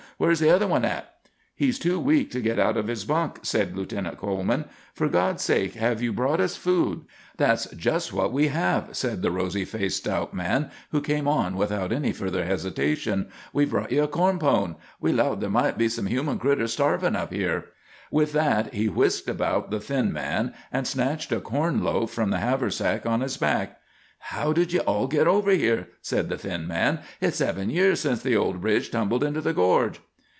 "Where's the other one at?" "He's too weak to get out of his bunk," said Lieutenant Coleman. "For God's sake, have you brought us food?" "That's just what we have," said the rosy faced stout man, who came on without any further hesitation. "We've brought ye a corn pone. We 'lowed there might be some human critters starvin' up here." With that he whisked about the thin man, and snatched a corn loaf from the haversack on his back. "How did you all ever git here?" said the thin man. "Hit's seven year since the old bridge tumbled into the gorge."